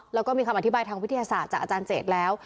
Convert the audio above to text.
แล้วก็มีคำอธิบายทางวิทยาศาสตร์จากอาจารย์เจตแล้ว